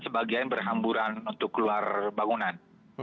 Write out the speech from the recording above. sebagian berhamburan untuk keluar bangunan